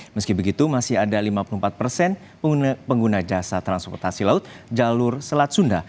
meski begitu masih ada lima puluh empat persen pengguna jasa transportasi laut jalur selat sunda